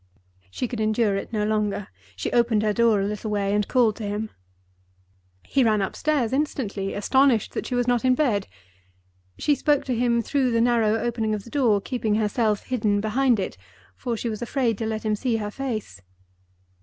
She could endure it no longer. She opened her door a little way and called to him. He ran upstairs instantly, astonished that she was not in bed. She spoke to him through the narrow opening of the door, keeping herself hidden behind it, for she was afraid to let him see her face.